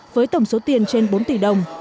với tổng số tiền trên bốn tỷ đồng